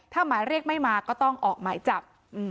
ถ้าหมายเรียกไม่มาก็ต้องออกหมายจับ